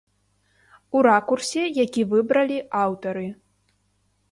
У ракурсе, які выбралі аўтары.